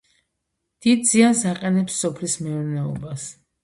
დიდ ზიანს აყენებს სოფლის მეურნეობას.